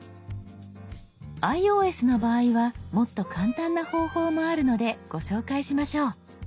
ｉＯＳの場合はもっと簡単な方法もあるのでご紹介しましょう。